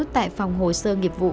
tại phòng hồ sơ nghiệp vụ